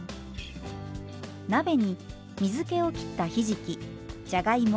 鍋に水けをきったひじきじゃがいも